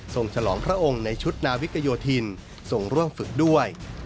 ฉลองพระองค์ในชุดนาวิกโยธินส่งร่วมฝึกด้วย